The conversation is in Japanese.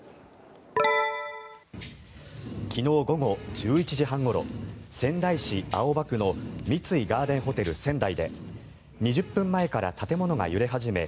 昨日午後１１時半ごろ仙台市青葉区の三井ガーデンホテル仙台で２０分前から建物が揺れ始め